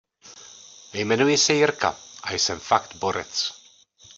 Jmenuji se Jirka a jsem fakt borec.